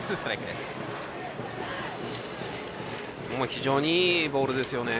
非常にいいボールですよね。